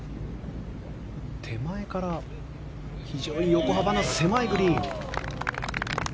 手前から非常に横幅の狭いグリーン。